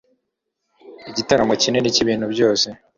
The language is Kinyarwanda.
igitaramo kinini cyibintu byose